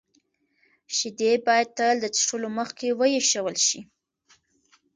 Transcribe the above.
شیدې باید تل د څښلو مخکې ویشول شي.